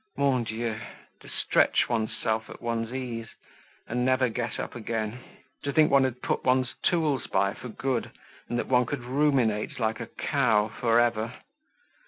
Mon Dieu! To stretch one's self at one's ease and never get up again; to think one had put one's tools by for good and that one could ruminate like a cow forever!